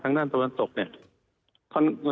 ด้านตะวันตกเนี่ย